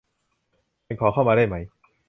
ฉันขอเข้ามาได้ไหม